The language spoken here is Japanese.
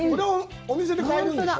お店で買えるんですか。